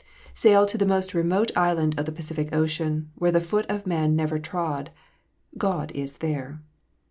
Sail to the most remote island in the Pacific Ocean, where the foot of man never trod : God is there.